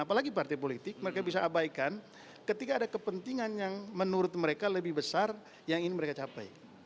apalagi partai politik mereka bisa abaikan ketika ada kepentingan yang menurut mereka lebih besar yang ingin mereka capai